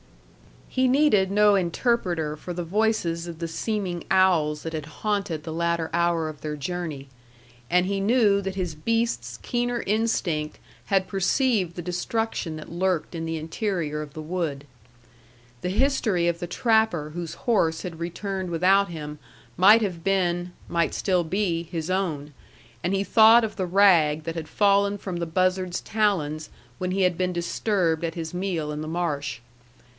He needed no interpreter for the voices of the seeming owls that had haunted the latter hour of their journey, and he knew that his beast's keener instinct had perceived the destruction that lurked in the interior of the wood. The history of the trapper whose horse had returned without him might have been might still be his own; and he thought of the rag that had fallen from the buzzard's talons when he had been disturbed at his meal in the marsh.